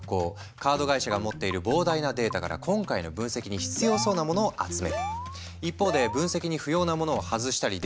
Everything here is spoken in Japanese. カード会社が持っている膨大なデータから今回の分析に必要そうなものを集める。